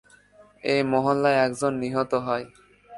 এই হামলায় একজন নিহত হয়।